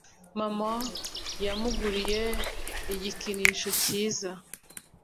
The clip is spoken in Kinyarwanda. Mama yamuguriye igikinisho cyiza.